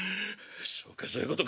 「そうかそういうことか。